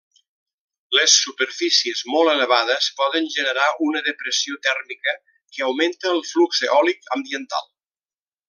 Les superfícies molt elevades poden generar una depressió tèrmica, que augmenta el flux eòlic ambiental.